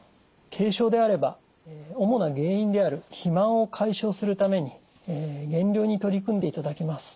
軽症であれば主な原因である肥満を解消するために減量に取り組んでいただきます。